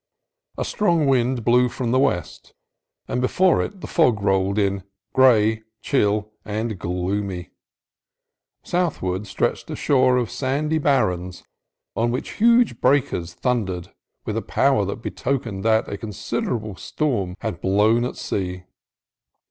A strong wind blew from the west, and before it the fog rolled in, gray, chill, and gloomy. Southward stretched a shore of sandy barrens on which huge breakers thundered, with a power that betokened that a considerable storm had blown at sea.